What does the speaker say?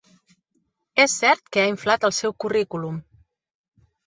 És cert que ha inflat el seu currículum.